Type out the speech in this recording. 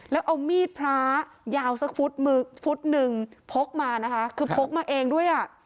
แล้วเอามีดพระยาวสักฟุตมือฟุตหนึ่งพกมานะคะคือพกมาเองด้วยอ่ะ